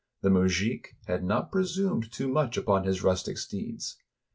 The mujik had not presumed too much upon his rustic steeds.